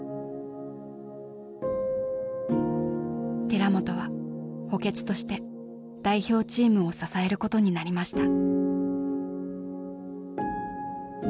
寺本は補欠として代表チームを支えることになりました。